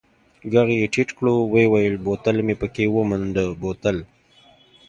ږغ يې ټيټ کړ ويې ويل بوتل مې پکښې ومنډه بوتل.